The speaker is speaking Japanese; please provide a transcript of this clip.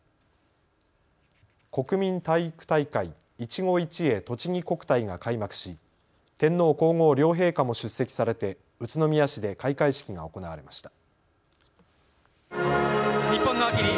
国民体育大会、いちご一会とちぎ国体が開幕し天皇皇后両陛下も出席されて宇都宮市で開会式が行われました。